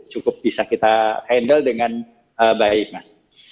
cukup bisa kita handle dengan baik mas